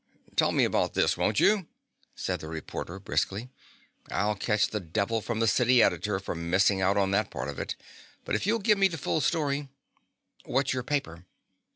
"Tell me about this, won't you?" said the reporter briskly. "I'll catch the devil from the city editor for missing out on that part of it, but if you'll give me the full story " "What's your paper?"